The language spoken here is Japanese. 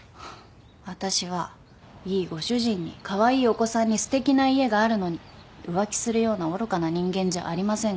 私はいいご主人にカワイイお子さんにすてきな家があるのに浮気するような愚かな人間じゃありませんから。